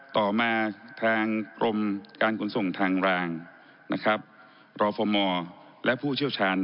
ต่อมาทางกรมการคุณส่งทางรางรฟมและผู้เชี่ยวชาญ